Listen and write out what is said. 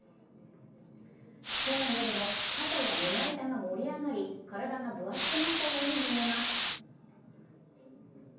去年よりも肩や胸板が盛り上がり体が分厚くなったように見えます。